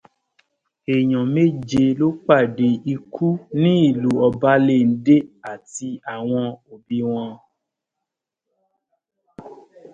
Èèyàn méje ló pàdé ikú ní ìlú Ọbáléndé, àti àwọn òbí wọn.